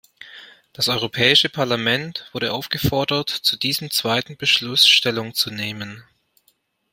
Das Europäische Parlament wurde aufgefordert, zu diesem zweiten Beschluss Stellung zu nehmen.